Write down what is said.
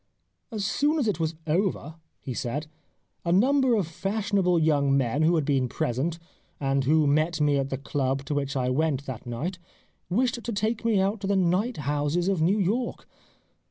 " As soon as it was over/' he said, " a number of fashionable young men who had been present, and who met me at the club to which I went that night, wished to take me out to the night houses of New York.